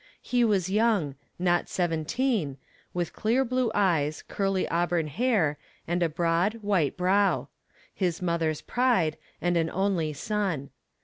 He was young, not seventeen, with clear blue eyes, curly auburn hair, and a broad, white brow; his mother's pride, and an only son.